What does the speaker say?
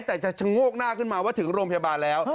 แต่จะชะโงกหน้าขึ้นมาว่าถึงโรงพยาบาลแล้ว